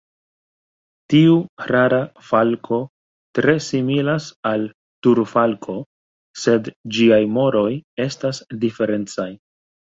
Tiu rara falko tre similas al Turfalko, sed ĝiaj moroj estas diferencaj.